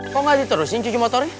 kok nggak diterusin cuci motornya